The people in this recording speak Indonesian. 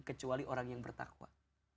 kecuali orang yang bertakwa